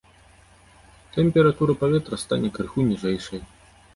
Тэмпература паветра стане крыху ніжэйшай.